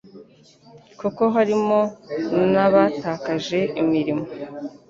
kuko harimo n'abatakaje imirimo